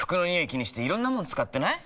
気にしていろんなもの使ってない？